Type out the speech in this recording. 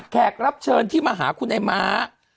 แขกรับเชิญที่มาหาคุณไอ้ม้า